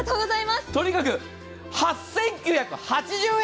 とにかく８９８０円！